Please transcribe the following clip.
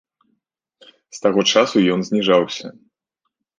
З таго часу ён зніжаўся.